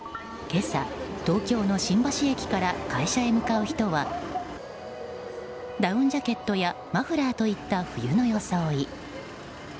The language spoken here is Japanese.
今朝、東京の新橋駅から会社に向かう人はダウンジャケットやマフラーといった冬の装い。